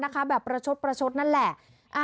นะคะแบบประชดนั่นแหละ